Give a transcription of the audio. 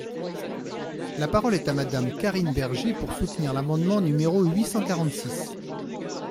La parole est à Madame Karine Berger, pour soutenir l’amendement numéro huit cent quarante-six.